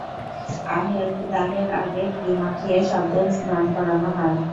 দাহের আগে ঘি মাখিয়ে শবদেহ স্নান করানো হয়।